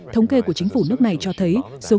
thống kê của chính phủ nước này cho thấy